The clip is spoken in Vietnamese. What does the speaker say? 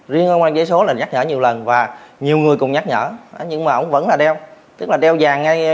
riêng ông giấy số là nhắc nhở nhiều lần và nhiều người cũng nhắc nhở nhưng mà ông vẫn là đeo tức là đeo vàng ngay tay tay